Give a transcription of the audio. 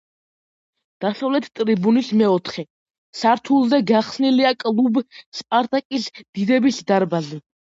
დასავლეთ ტრიბუნის მეოთხე სართულზე გახსნილია კლუბ „სპარტაკის“ დიდების დარბაზი.